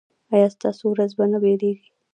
ایا ستاسو ورځ به نه پیلیږي؟